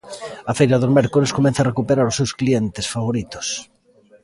A feira dos mércores comeza a recuperar os seus clientes favoritos.